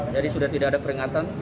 jadi sudah tidak ada peringatan